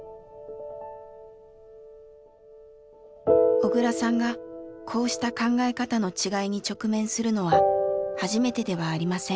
小倉さんがこうした考え方の違いに直面するのは初めてではありません。